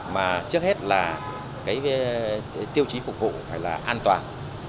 mà trước hết là cái tiêu chí phục vụ phải là an toàn